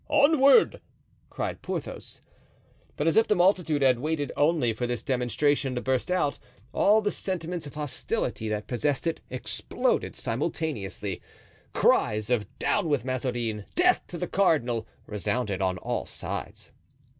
"Onward!" cried Porthos. But as if the multitude had waited only for this demonstration to burst out, all the sentiments of hostility that possessed it exploded simultaneously. Cries of "Down with Mazarin!" "Death to the cardinal!" resounded on all sides.